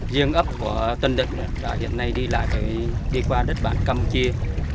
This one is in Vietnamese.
riêng ấp của tân định là hiện nay đi qua đất bản căm chia